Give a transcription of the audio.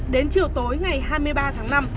đến chiều tối ngày hai mươi ba tháng năm